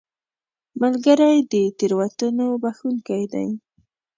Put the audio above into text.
ملګری د تېروتنو بخښونکی دی